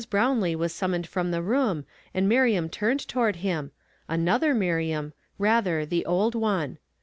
Brownlee was summoned from the room, and Miriam turned toward him, another Miriam, rather, the old one.